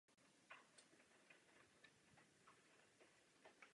Jak se to může stát?